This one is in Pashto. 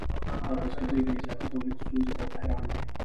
د بزګرۍ د اضافي تولید ستونزې ته بحران وايي